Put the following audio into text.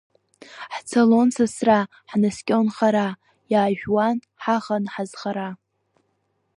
Хцалон сасра, ҳнаскьон хара, иаажәуан ҳахан, ҳазхара.